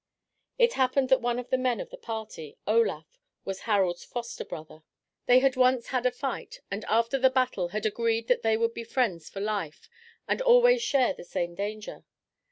It happened that one of the men of the party, Olaf, was Harald's foster brother. They had once had a fight, and after the battle had agreed that they would be friends for life and always share the same danger.